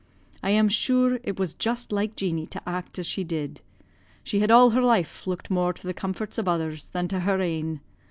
I am sure it was just like Jeanie to act as she did. She had all her life looked more to the comforts of others than to her ain.